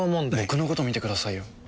僕の事見てくださいよ。